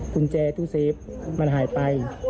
กุญแจตู้เซฟมันหายไป